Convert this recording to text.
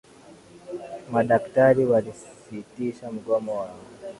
Madaktari walisitisha mgomo wao